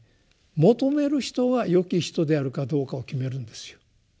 求める人が「よき人」であるかどうかを決めるんですよ。